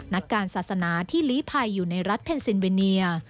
นักการศาสนาที่ลีภัยอยู่ในรัฐเพนซินเวเนีย